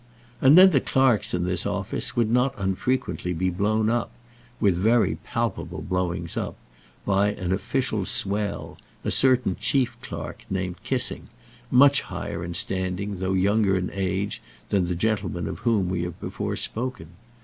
And then the clerks in this room would not unfrequently be blown up, with very palpable blowings up, by an official swell, a certain chief clerk, named Kissing, much higher in standing though younger in age than the gentleman of whom we have before spoken.